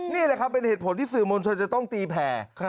นี่แหละครับเป็นเหตุผลที่สื่อมวลชนจะต้องตีแผ่